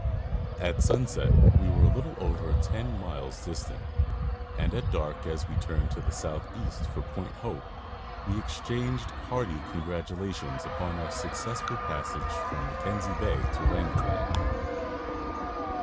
At sunset we were a little over ten miles distant, and at dark, as we turned to the southeast for Point Hope, we exchanged hearty congratulations upon our successful passage from Mackenzie Bay to Wrangel land.